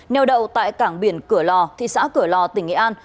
neo đậu tại cảng biển cửa lò thị xã cửa lò tỉnh nghệ an